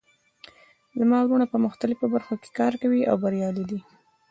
زما وروڼه په مختلفو برخو کې کار کوي او بریالي دي